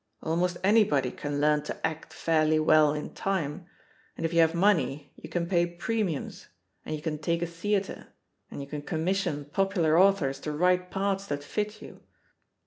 ALnost anybody can learn to act fairly well in time ; and if you have money, you can pay premiimis, and you can take a theatre, and you can conmiission popular au thors to write parts that fit you.